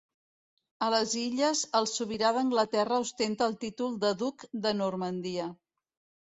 A les illes, el sobirà d'Anglaterra ostenta el títol de Duc de Normandia.